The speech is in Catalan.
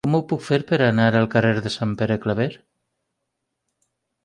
Com ho puc fer per anar al carrer de Sant Pere Claver?